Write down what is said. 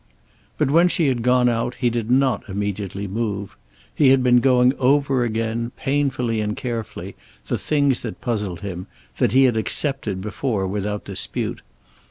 But when she had gone out he did not immediately move. He had been going over again, painfully and carefully, the things that puzzled him, that he had accepted before without dispute.